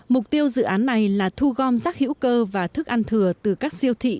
mục tiêu dự án này là thu gom rác hữu cơ và thức ăn thừa từ các siêu thị